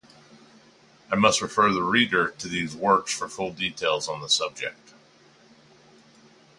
I must refer the reader to these works for full details on the subject.